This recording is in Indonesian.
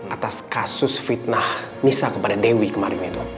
atas kasus fitnah nisa kepada dewi kemarin itu